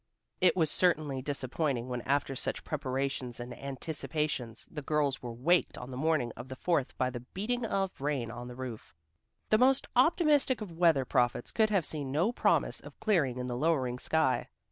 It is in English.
It was certainly disappointing when after such preparations and anticipations, the girls were waked on the morning of the Fourth by the beating of rain on the roof. The most optimistic of weather prophets could have seen no promise of clearing in the lowering sky.